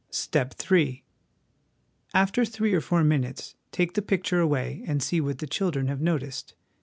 " Step III. After three or four minutes, take the picture away and see what the children have noticed.